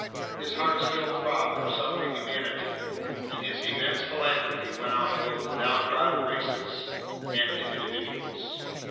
His heart still throbbed for suffering humanity, and his immense philanthropy went out both to downtrodden races and to individuals!